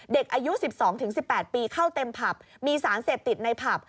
เด็กอายุ๑๒๑๘ปีเข้าเต็มผับมีสารเสพติดในผับ